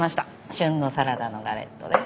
旬のサラダのガレットです。